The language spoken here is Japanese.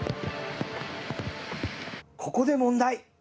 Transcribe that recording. ここで問題。